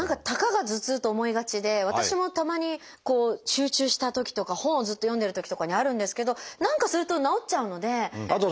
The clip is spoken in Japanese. たかが頭痛と思いがちで私もたまにこう集中したときとか本をずっと読んでるときとかにあるんですけど何かすると治っちゃうので。